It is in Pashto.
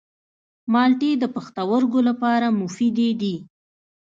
مالټې د پښتورګو لپاره مفیدې دي.